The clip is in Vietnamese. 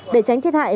để tránh thiệt hại